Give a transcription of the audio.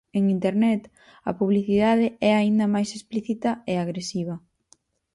En Internet, a publicidade é aínda máis explícita e agresiva.